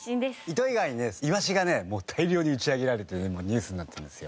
糸魚川にねイワシがねもう大量に打ち上げられてねニュースになってるんですよ。